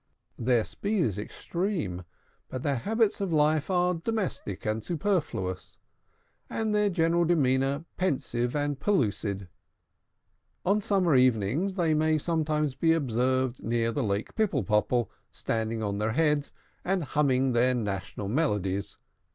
Their speed is extreme; but their habits of life are domestic and superfluous, and their general demeanor pensive and pellucid. On summer evenings, they may sometimes be observed near the Lake Pipple Popple, standing on their heads, and humming their national melodies.